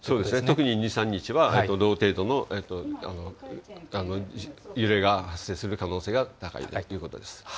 特に２、３日は同程度の揺れが発生する可能性が高いということです。